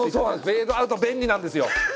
フェードアウト便利なんですよ。